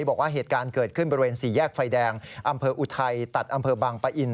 บอกว่าเหตุการณ์เกิดขึ้นบริเวณสี่แยกไฟแดงอำเภออุทัยตัดอำเภอบางปะอิน